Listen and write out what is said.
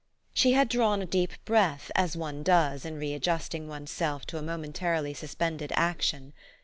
She had drawn a deep breath as one does in re adjusting one's self to a momentarily suspended action.